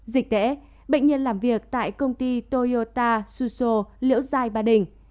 dịch tễ bệnh nhân làm việc tại công ty toyota suso liễu giai ba đình